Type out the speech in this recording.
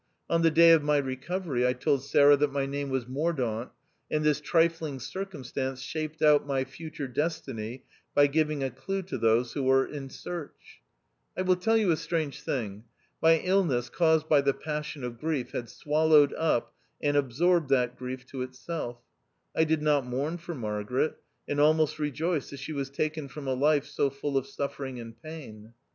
On the day of my recovery, I told Sarah that my name was Mordaunt, and this trifling circumstance shaped out my future destiny by giving a clue to those who were in search. I will tell you a strange thing. My illness caused by the passion of grief had swallowed up and absorbed that grief to itself. I did not mourn for Margaret, and almost rejoiced that she was taken from a life so full of suffering and pain.